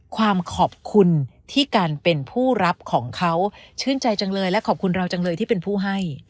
ความขอบคุณที่การเป็นผู้รับของเขาชื่นใจจังเลยและขอบคุณเราจังเลยที่เป็นผู้ให้